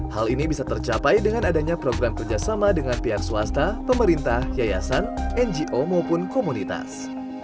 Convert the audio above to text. hal ini bisa tercapai dengan adanya program kerjasama dengan pihak swasta pemerintah yayasan ngo maupun komunitas